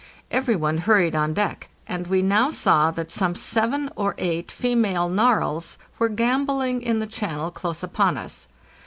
Every one hurried on deck, and we now saw that some seven or eight female narwhals were gambolling in the channel close upon us.